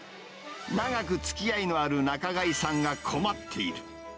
長くつきあいのある仲買さんが困っている。